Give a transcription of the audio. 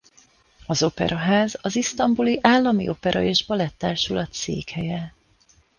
Az operaház az Isztambuli Állami Opera- és Balett-társulat székhelye.